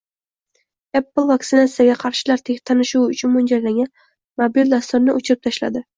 Apple vaksinatsiyaga qarshilar tanishuvi uchun mo‘ljallangan mobil dasturni o‘chirib tashladi